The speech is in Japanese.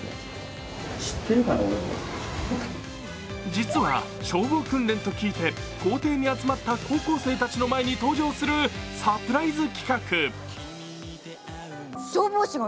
実は消防訓練と聞いて校庭に集まった高校生たちの前に登場するサプライズ企画。